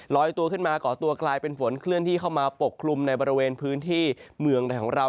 ตัวขึ้นมาก่อตัวกลายเป็นฝนเคลื่อนที่เข้ามาปกคลุมในบริเวณพื้นที่เมืองในของเรา